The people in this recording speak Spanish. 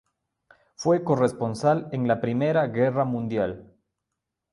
Fue corresponsal en la Primera Guerra Mundial.